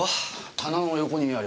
棚の横にあります。